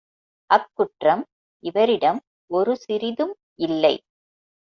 அக் குற்றம் இவரிடம் ஒரு சிறிதும் இல்லை.